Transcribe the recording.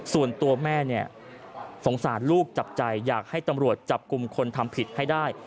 ส่วนตัวแม่เนี่ยสงสารลูกจับใจอยากให้ตำรวจจับกลุ่มคนทำผิดให้ได้